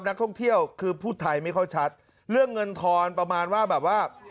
นักท่องเที่ยวคือพูดไทยไม่ค่อยชัดเรื่องเงินทอนประมาณว่าแบบว่า